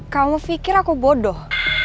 kamu fikir aku bodoh